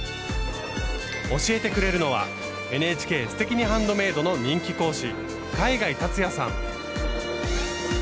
教えてくれるのはＮＨＫ「すてきにハンドメイド」の人気講師